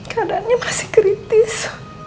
keadaannya masih kritis